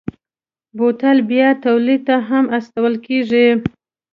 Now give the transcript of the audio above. بوتل بیا تولید ته هم استول کېږي.